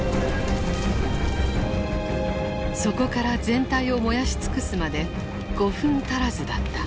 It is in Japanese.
そこから全体を燃やし尽くすまで５分足らずだった。